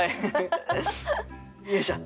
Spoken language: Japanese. よいしょ！